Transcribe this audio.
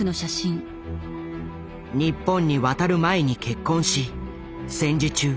日本に渡る前に結婚し戦時中